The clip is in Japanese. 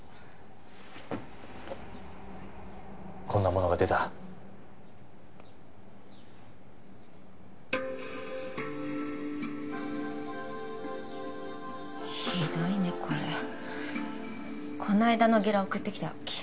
こんなものが出たひどいねこれこないだのゲラ送ってきた記者？